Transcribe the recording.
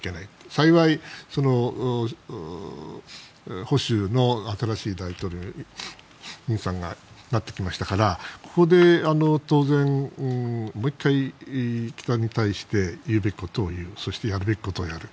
幸い、保守の新しい大統領尹さんがなってきましたからここで当然もう１回北に対して言うべきことを言うそして、やるべきことをやる。